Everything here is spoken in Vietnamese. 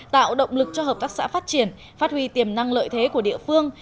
tạo động lực cho hợp tác xã phát triển phát huy tiềm năng lợi thế của địa phương